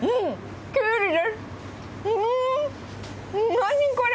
何これ？